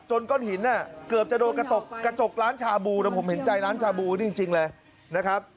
ก้อนหินเกือบจะโดนกระจกกระจกร้านชาบูนะผมเห็นใจร้านชาบูจริงเลยนะครับ